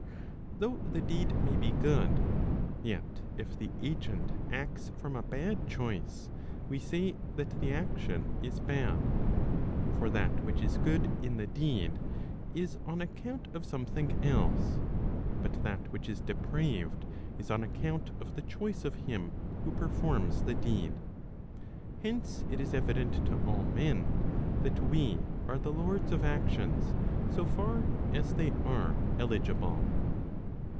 For though the deed may be good, yet if the agent acts from a bad choice, we say that the action is bad. For that which is good in the deed, is on account of something else, but that which is depraved is on account of the choice of him who performs the deed. Hence, it is evident to all men that we are the lords of actions, so far as they are eligible.